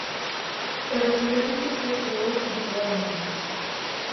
Tras recibir a noticia, chorou desoladamente.